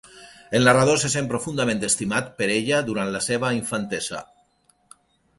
El narrador se sent profundament estimat per ella durant la seva infantesa.